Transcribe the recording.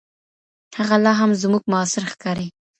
هغه لا هم زموږ معاصر ښکاري.